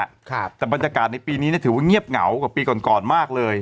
ครับแต่บรรยากาศในปีนี้เนี่ยถือว่าเงียบเหงากว่าปีก่อนก่อนมากเลย